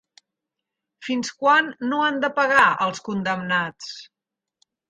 Fins quan no han de pagar els condemnats?